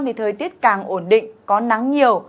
thì thời tiết càng ổn định có nắng nhiều